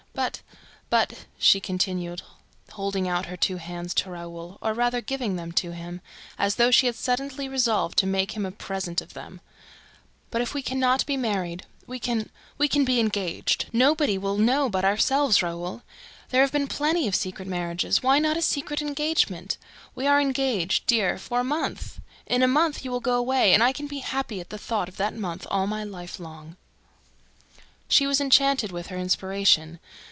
"But ... but," she continued, holding out her two hands to Raoul, or rather giving them to him, as though she had suddenly resolved to make him a present of them, "but if we can not be married, we can ... we can be engaged! Nobody will know but ourselves, Raoul. There have been plenty of secret marriages: why not a secret engagement? ... We are engaged, dear, for a month! In a month, you will go away, and I can be happy at the thought of that month all my life long!" She was enchanted with her inspiration.